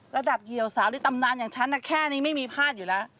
เหยียวสาวในตำนานอย่างฉันแค่นี้ไม่มีพลาดอยู่แล้ว